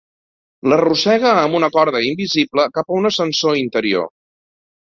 L'arrossega amb una corda invisible cap a un ascensor interior.